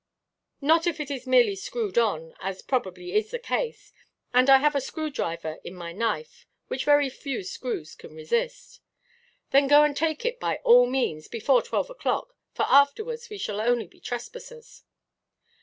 "Not if it is merely screwed on, as probably is the case. And I have a screw–driver in my knife, which very few screws can resist." "Then go and take it, by all means, before twelve oʼclock, for afterwards we shall only be trespassers."